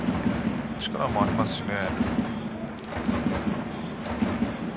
力もありますしね。